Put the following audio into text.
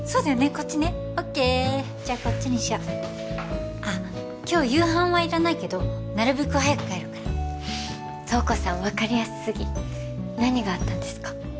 こっちねオッケーじゃあこっちにしようあっ今日夕飯はいらないけどなるべく早く帰るから瞳子さん分かりやすすぎ何があったんですか？